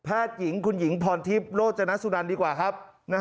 หญิงคุณหญิงพรทิพย์โรจนสุนันดีกว่าครับ